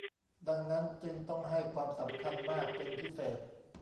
ดังนั้นจึงต้องให้ความสำคัญมากเป็นพิเศษ